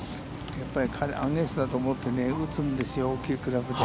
やっぱり風、アゲインストだと思って打つんですよ大きく。